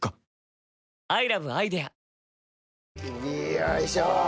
よいしょ！